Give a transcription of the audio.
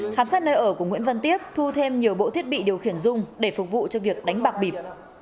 khám xét nơi ở của nguyễn văn tiếp thu thêm nhiều bộ thiết bị điều khiển dung để phục vụ cho việc đánh bạc bịp